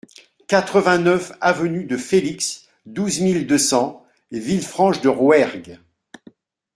quatre-vingt-neuf avenue de Felix, douze mille deux cents Villefranche-de-Rouergue